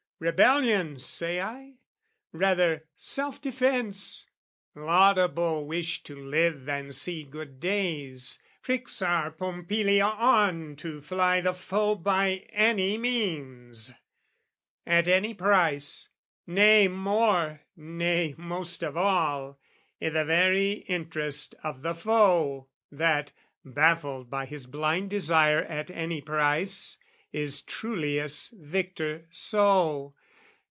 Rebellion, say I? rather, self defence, Laudable wish to live and see good days, Pricks our Pompilia on to fly the foe By any means, at any price, nay, more, Nay, most of all, i' the very interest Of the foe that, baffled of his blind desire At any price, is truliest victor so.